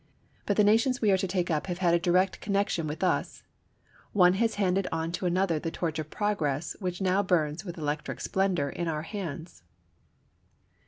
But the nations we are to take up have had a direct connection with us. One has handed on to another the torch of progress which now burns with electric splendor in our hands.